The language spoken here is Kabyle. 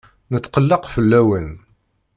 Netqelleq fell-awen.